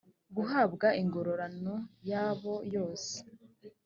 guhabwa ingororano yabo yose